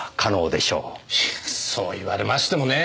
そう言われましてもねえ。